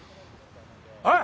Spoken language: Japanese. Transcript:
おい！